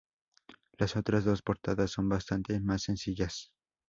Las otras dos portadas son bastante más sencillas.